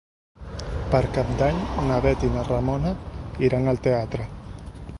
Per Cap d'Any na Bet i na Ramona iran al teatre.